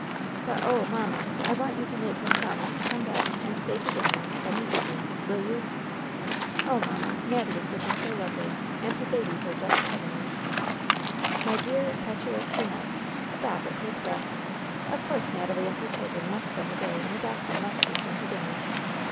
But, oh, mamma, I want you to make him promise to come back and stay to dinner and spend the evening — ^will you ? Oh, mamma, Natty is looking so lovely, and her babies are just heavenly 1" LOVE'S BITTEREST CUP 149 '^My dear, impetuous Wynnette, stop and take breath 1 Of course Natalie and her children must spend the day, and the doctor must return to dinner.